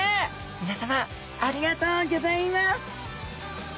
みなさまありがとうギョざいます！